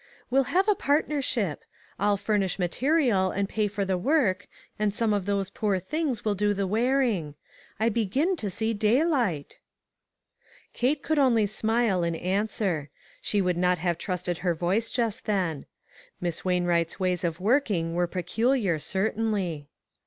We'll have a part nership ; I'll furnish material, and pay for the work ; you do the work, and some of those poor things will do the wearing. I begin to see daylight." ONE OF THE HOPELESS CASES. 327 Kate could only smile in answer. She would not have trusted her voice just then. Miss Wain Wright's ways of working were peculiar, certainly.